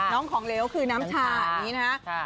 น้องของเลวคือน้ำชานี้นะครับ